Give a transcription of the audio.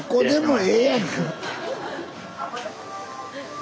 え！